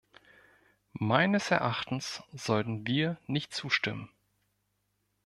Meines Erachtens sollten wir nicht zustimmen.